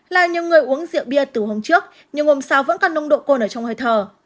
là nhiều người uống rượu bia từ hôm trước nhưng hôm sau vẫn còn nồng độ cồn ở trong hơi thở